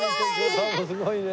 すごいね！